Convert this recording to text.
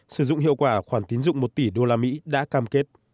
sử dụng hiệu quả khoản tín dụng một tỷ đô la mỹ đã cam kết